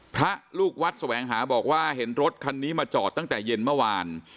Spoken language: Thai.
พระลูกวัดแสวงหาบอกว่าเห็นรถคันนี้มาจอดตั้งแต่เย็นเมื่อวาน